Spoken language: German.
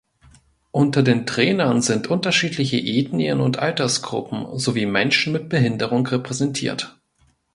Unter den Trainern sind unterschiedliche Ethnien und Altersgruppen sowie Menschen mit Behinderung repräsentiert.